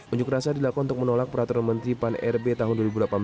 unjuk rasa dilakukan untuk menolak peraturan menteri pan rb tahun dua ribu delapan belas